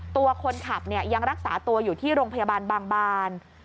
ตัวคนขับยังรักษาตัวอยู่ที่โรงพยาบาลบางบาน